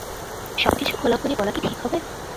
সবকিছু খোলাখুলি বলা কি ঠিক হবে?